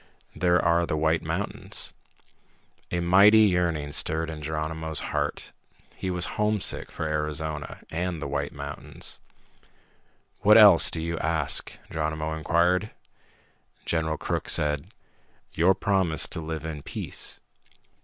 There are the White Mountains." A mighty yearning stirred in Geronimo's heart. He was homesick for Arizona, and the White Mountains. "What else do you ask?" Geronimo inquired. General Crook said, "Your promise to live in peace."